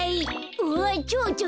うわっチョウチョ。